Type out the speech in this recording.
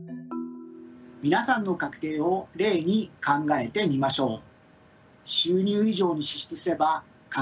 皆さんの家計を例に考えてみましょう。